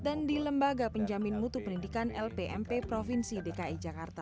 dan di lembaga penjamin mutu pendidikan lpmp provinsi dki jakarta